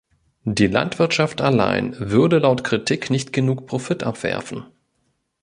Die Landwirtschaft allein würde laut Kritik nicht genug Profit abwerfen.